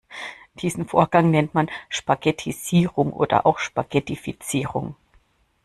Diesen Vorgang nennt man Spaghettisierung oder auch Spaghettifizierung.